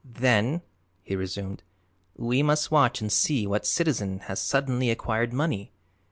"Then," he resumed, "we must watch and see what citizen has suddenly acquired money.